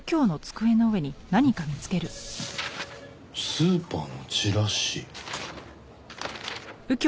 スーパーのチラシ。